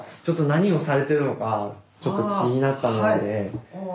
ちょっと何をされてるのかちょっと気になったので。